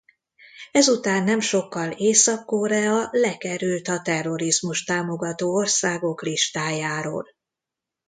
Ez után nem sokkal Észak-Korea lekerült a terrorizmust támogató országok listájáról.